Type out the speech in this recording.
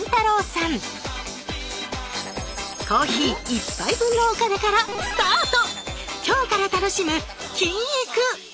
コーヒー一杯分のお金からスタート！